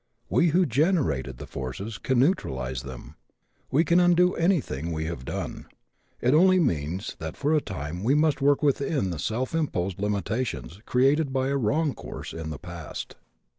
We who generated the forces can neutralize them. We can undo anything we have done. It only means that for a time we must work within the self imposed limitations created by a wrong course in the past.